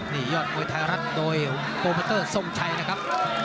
นี่ยอดมวยไทยรัฐโดยโปรโมเตอร์ทรงชัยนะครับ